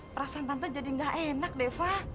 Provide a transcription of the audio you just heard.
perasaan tante jadi nggak enak deva